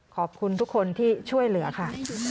ขอบคุณทุกคนที่ช่วยเหลือค่ะ